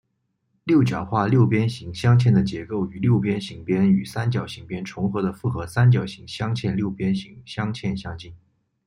六角化六边形镶嵌的结构与六边形边与三角形边重合的复合三角形镶嵌六边形镶嵌相近。